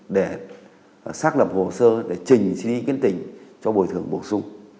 để xác lập hồ sơ để trình suy nghĩ kiến tình cho bồi thường bổ sung